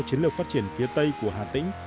chiến lược phát triển phía tây của hà tĩnh